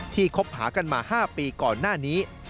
คบหากันมา๕ปีก่อนหน้านี้